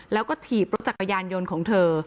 แล้วก็ถีบรถจักรยานยนต์ของเธอ